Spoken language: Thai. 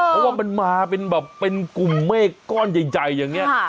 เพราะว่ามันมาเป็นกลุ่มเมฆก้อนใยอย่างนี้